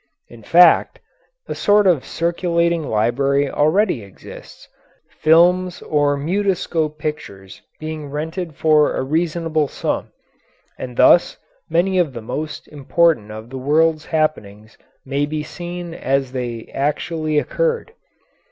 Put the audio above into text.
In fact, a sort of circulating library already exists, films or mutoscope pictures being rented for a reasonable sum; and thus many of the most important of the world's happenings may be seen as they actually occurred.